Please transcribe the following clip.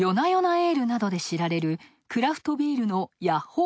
エールなどで知られるクラフトビールのヤッホー